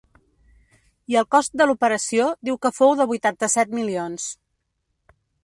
I el cost de l’operació diu que fou de vuitanta-set milions.